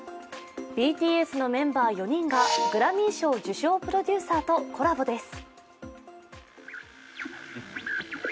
ＢＴＳのメンバー４人がグラミー賞受賞プロデューサーとコラボです。